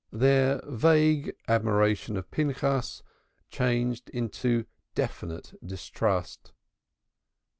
Their vague admiration of Pinchas changed into definite distrust.